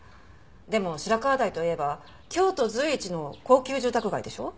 でも白河台といえば京都随一の高級住宅街でしょ？